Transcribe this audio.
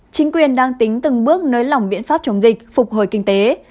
chính quyền đang tính từng bước nới lỏng biện pháp chống dịch phục hồi kinh tế